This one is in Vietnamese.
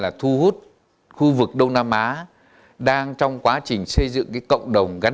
cái thứ hai là thu hút khu vực đông nam á đang trong quá trình xây dựng cái cộng đồng gắn cộng